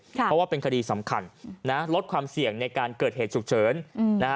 เพราะว่าเป็นคดีสำคัญนะลดความเสี่ยงในการเกิดเหตุฉุกเฉินนะฮะ